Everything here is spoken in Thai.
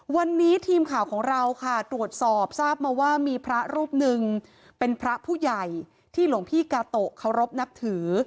วันนี้ทีมข่าวของเราค่ะตรวจสอบทราบมาว่ามีพระรูปหนึ่งเป็นพระผู้ใหญ่ที่หลวงพี่กาโตะเคารพนับถือ